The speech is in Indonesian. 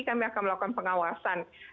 kami akan melakukan pengawasan